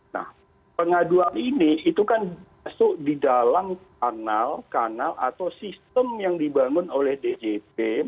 nah pengaduan ini itu kan masuk di dalam kanal kanal atau sistem yang dibangun oleh djp